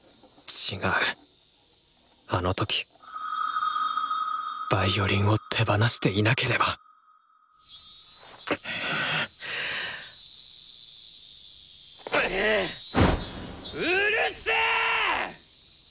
違うあの時ヴァイオリンを手放していなければうるせ！